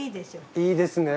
いいですね！